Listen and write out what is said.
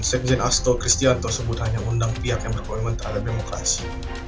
sekjen asto kristian tersebut hanya undang pihak yang berkomitmen terhadap demokrasi